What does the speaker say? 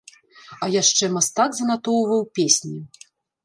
А яшчэ мастак занатоўваў песні.